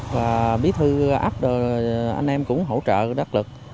và bí thư áp anh em cũng hỗ trợ đắc lực